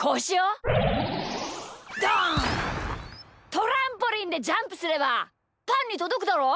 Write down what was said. トランポリンでジャンプすればパンにとどくだろ！？